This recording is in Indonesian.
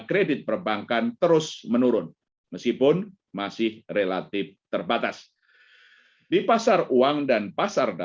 kredit perbankan terus menurun meskipun masih relatif terbatas di pasar uang dan pasar